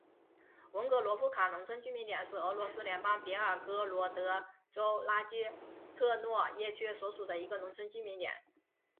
文格罗夫卡农村居民点是俄罗斯联邦别尔哥罗德州拉基特诺耶区所属的一个农村居民点。